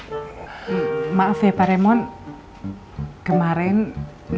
beauty auto ada maaf bu karena rayman sudah lebih sulit bilangan penutupnya